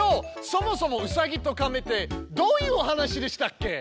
そもそも「うさぎとかめ」ってどういうお話でしたっけ？